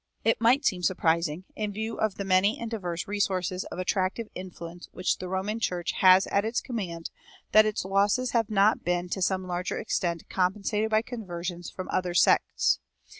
It might seem surprising, in view of the many and diverse resources of attractive influence which the Roman Church has at its command, that its losses have not been to some larger extent compensated by conversions from other sects.